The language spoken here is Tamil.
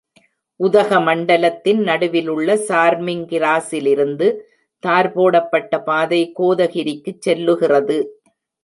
உதகமண்டலத்தின் நடுவிலுள்ள சார்மிங் கிராஸிலிருந்து, தார் போடப்பட்ட பாதை கோதகிரிக்குச் செல்லுகிறது.